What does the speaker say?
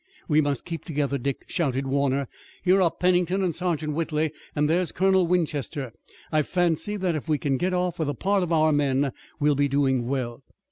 "We must keep together, Dick!" shouted Warner. "Here are Pennington and Sergeant Whitley, and there's Colonel Winchester. I fancy that if we can get off with a part of our men we'll be doing well."